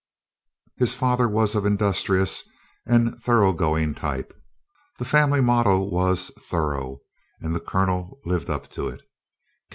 His father was of industrious and thorough going type. The family motto was "Thorough," and the Colonel lived up to it.